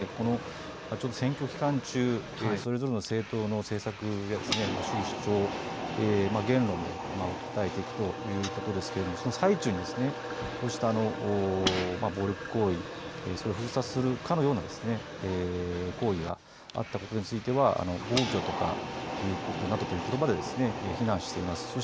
与野党ともに反応が相次いで入ってきていましていずれも選挙期間中、それぞれの政党の政策や主義主張、言論で訴えていくということですけれどもその最中にこうした暴力行為、それを封殺するかのような行為があったことについては暴挙などということばで非難しています。